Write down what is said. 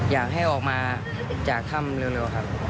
อยากให้ออกมาจากถ้ำเร็วครับ